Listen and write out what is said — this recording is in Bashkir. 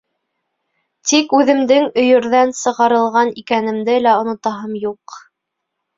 Тик үҙемдең өйөрҙән сығарылған икәнемде лә онотаһым юҡ.